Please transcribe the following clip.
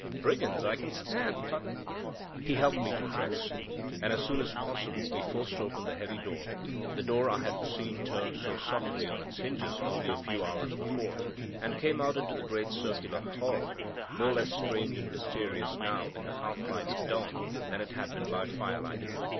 Brigands I can stand, but—" He helped me to dress, and as soon as possible we forced open the heavy door, the door I had seen turn so softly on its hinges only a few hours before, and came out into the great circular hall, no less strange and mysterious now in the half light of dawn than it had been by firelight.